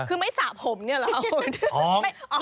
คือไม่สระผมเนี่ยเหรอคุณ